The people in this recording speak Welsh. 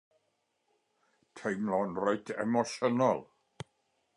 Teimlo'n reit emosiynol.